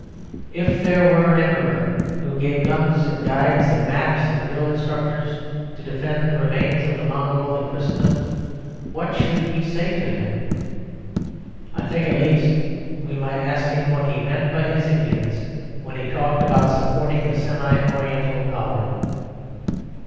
If there were an Emperor who gave guns and guides and maps and drill instructors to defend the remains of the Mongol in Christendom, what should we say to him? I think at least we might ask him what he meant by his impudence, when he talked about supporting a semi oriental power.